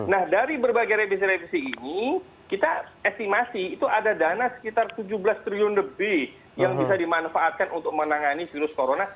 nah dari berbagai revisi revisi ini kita estimasi itu ada dana sekitar tujuh belas triliun lebih yang bisa dimanfaatkan untuk menangani virus corona